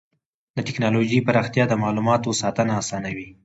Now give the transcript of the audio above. د ټکنالوجۍ پراختیا د معلوماتو ساتنه اسانوي.